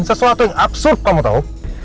sesuatu yang absurd kamu tau